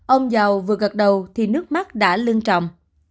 ông giàu vừa gật đầu thì nước mắt đã lưng trọng